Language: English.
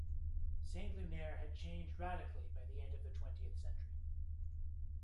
Saint-Lunaire had changed radically by the end of the twentieth century.